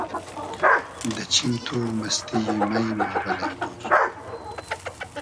دۂ چیم تو مئستی یی مݷ ما بئلݷ بور